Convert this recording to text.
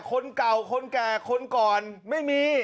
คนเก่าคนแก่คนก่อนไม่มี